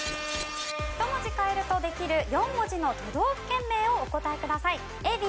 １文字変えるとできる４文字の都道府県名をお答えください。